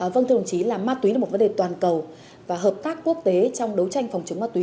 vâng thưa đồng chí là ma túy là một vấn đề toàn cầu và hợp tác quốc tế trong đấu tranh phòng chống ma túy